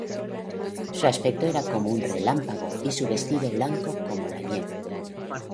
Y su aspecto era como un relámpago, y su vestido blanco como la nieve.